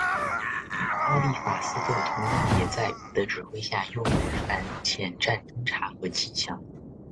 哈利法克斯同样也在的指挥下用于反潜战侦察和气象。